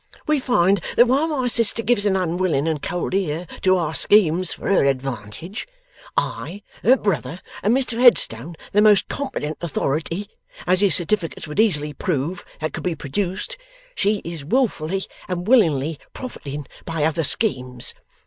We find that while my sister gives an unwilling and cold ear to our schemes for her advantage I, her brother, and Mr Headstone, the most competent authority, as his certificates would easily prove, that could be produced she is wilfully and willingly profiting by other schemes.